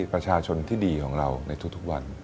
ประชาชนที่ดีของเราในทุกวัน